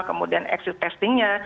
kemudian eksit testingnya